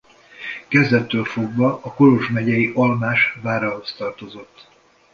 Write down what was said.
Kezdettől fogva a Kolozs megyei Almás várához tartozott.